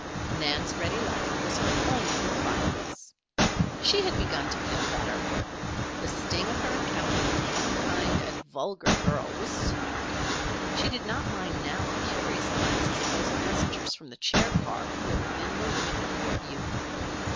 Nan's ready laugh was her only reply to this. She had begun to feel better. The sting of her encounter with the unkind and vulgar girl was soothed. She did not mind now the curious glances of those passengers from the chair car who were within the limit of her view.